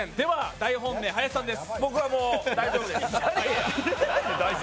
大本命・林さんです。